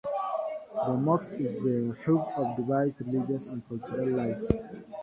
The mosque is the hub of Dubai's religious and cultural life.